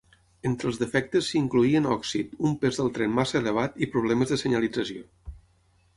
Entre els defectes s'hi incloïen òxid, un pes del tren massa elevat i problemes de senyalització.